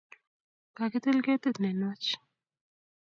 Kakitil ketit nenwach